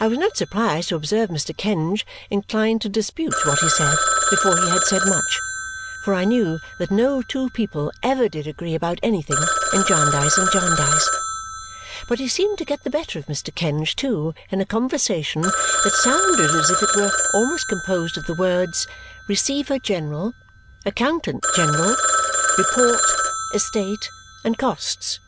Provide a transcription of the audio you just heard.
I was not surprised to observe Mr. Kenge inclined to dispute what he said before he had said much, for I knew that no two people ever did agree about anything in Jarndyce and Jarndyce. But he seemed to get the better of Mr. Kenge too in a conversation that sounded as if it were almost composed of the words "Receiver General," "Accountant General," "report," "estate," and "costs."